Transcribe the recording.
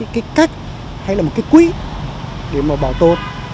cái cách hay là một cái quỹ để mà bảo tồn